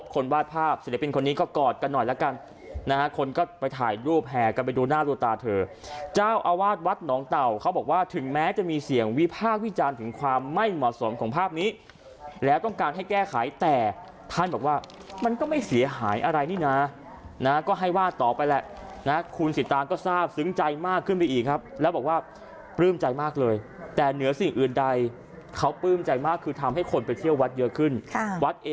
กันไปดูหน้าตัวตาเธอเจ้าอาวาสวัดหนองเต่าเขาบอกว่าถึงแม้จะมีเสี่ยงวิภาควิจารณ์ถึงความไม่เหมาะสมของภาพนี้แล้วต้องการให้แก้ไขแต่ท่านบอกว่ามันก็ไม่เสียหายอะไรนี่นะนะฮะก็ให้วาดต่อไปแหละนะฮะคุณสีตางก็ทราบซึ้งใจมากขึ้นไปอีกครับแล้วบอกว่าปลื้มใจมากเลยแต่เหนือสิ่งอื่นใดเขาปลื